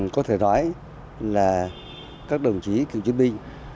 có thể nói là các đồng chí cựu chiến binh